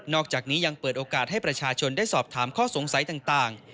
อกจากนี้ยังเปิดโอกาสให้ประชาชนได้สอบถามข้อสงสัยต่าง